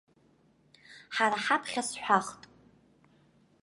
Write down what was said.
Ҳара ҳаԥхьа сҳәахт.